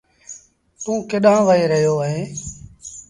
توٚنٚ ڪيڏآنٚ وهي رهيو اهينٚ